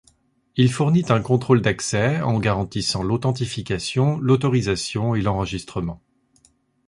Il fournit un contrôle d'accès en garantissant l'authentification, l'autorisation et l'enregistrement.